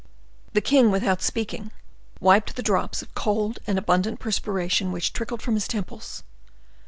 The king, without speaking a word, wiped the drops of cold and abundant perspiration which trickled from his temples.